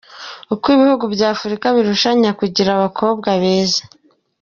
Uko ibihugu bya Afurika birushanya kugira abakobwa beza.